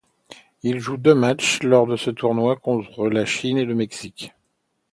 Il joue deux matchs lors de ce tournoi, contre la Chine et le Mexique.